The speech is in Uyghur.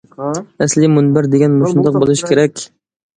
ئەسلى مۇنبەر دېگەن مۇشۇنداق بولۇشى كېرەك!